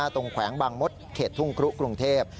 แขวงบางมดเขตทุ่งครุกรุงเทพ